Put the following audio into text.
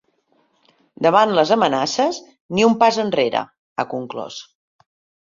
Davant les amenaces, ni un pas enrere, ha conclòs.